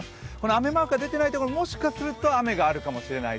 雨マークが出ていない所ももしかすると雨になるかもしれない。